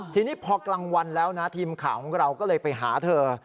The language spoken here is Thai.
ทีนี้พอกลางวันแล้วนะทีมข่าวของเราก็เลยไปหาเธอ